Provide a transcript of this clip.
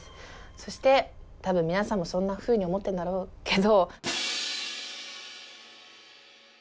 そして多分皆さんもそんなふうに思ってんだろうけど。